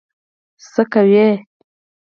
څه کوي.